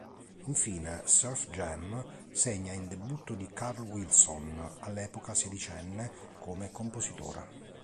Infine, "Surf Jam" segna il debutto di Carl Wilson, all'epoca sedicenne, come compositore.